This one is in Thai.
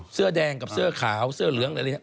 เสื้อแดงกับเสื้อขาวเสื้อเหลือง